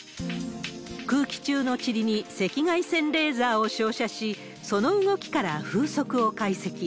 空気中のちりに赤外線レーザーを照射し、その動きから風速を解析。